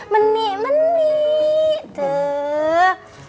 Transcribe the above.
menik menik tuh